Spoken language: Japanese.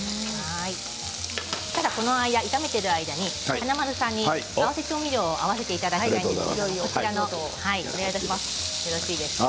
ただ炒めている間に華丸さんに合わせ調味料を合わせていただきたいんです。